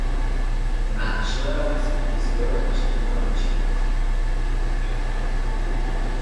تفشه است که ایستگاه آتشنشانی آتش گرفت!